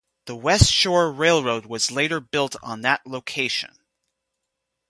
The West Shore Railroad was later built on that location.